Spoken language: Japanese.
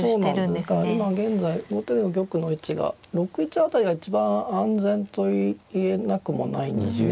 だから今現在後手の玉の位置が６一辺りが一番安全と言えなくもないんですね。